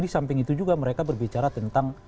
di samping itu juga mereka berbicara tentang